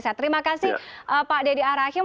saya terima kasih pak dedy arachim